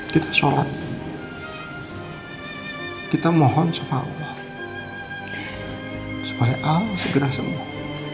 kita sholat kita mohon supaya allah supaya a segera sembuh